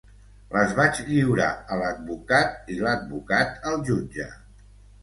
Les vaig lliurar a l’advocat i l’advocat al jutge.